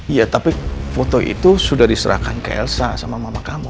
iya tapi foto itu sudah diserahkan ke elsa sama mama kamu